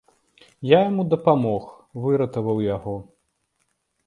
Я яму дапамог, выратаваў яго!